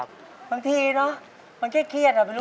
บางทีนะมันแค่เครียดแต่ไม่รู้อะไร